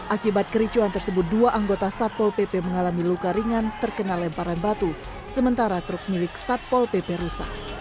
akibat kericuan tersebut dua anggota satpol pp mengalami luka ringan terkena lemparan batu sementara truk milik satpol pp rusak